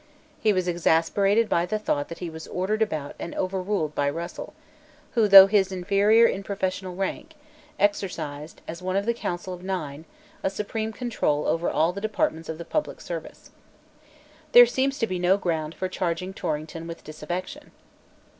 He was exasperated by the thought that he was ordered about and overruled by Russell, who, though his inferior in professional rank, exercised, as one of the Council of Nine, a supreme control over all the departments of the public service. There seems to be no ground for charging Torrington with disaffection.